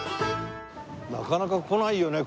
なかなか来ないよね